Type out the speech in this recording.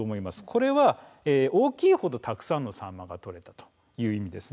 これは大きい程たくさんのサンマが取れたという意味です。